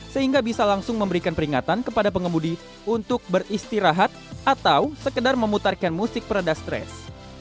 sehingga bisa langsung memberikan peringatan kepada pengemudi untuk beristirahat atau sekedar memutarkan musik peredar stres